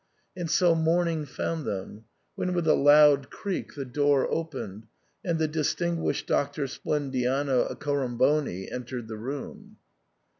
And so morning found them, when with a loud creak the door opened, and the dis tinguished Doctor Splendiano Accoramboni entered the room.